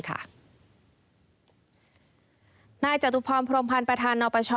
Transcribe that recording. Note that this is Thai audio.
นายจัตุภรรย์พรมพลันต์ประธานหนอปช